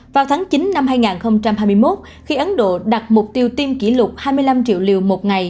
vào tháng chín năm hai nghìn hai mươi một khi ấn độ đặt mục tiêu tiêm kỷ lục hai mươi năm triệu liều một ngày